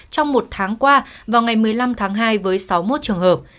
trong một tháng qua vào ngày một mươi năm tháng hai với sáu mươi một trường hợp